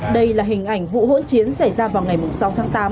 đây là hình ảnh vụ hỗn chiến xảy ra vào ngày sáu tháng tám